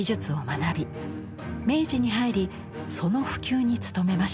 明治に入りその普及に努めました。